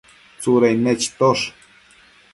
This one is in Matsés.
Tsudain nechitosh